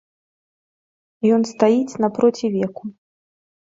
Ён стаіць напроці веку.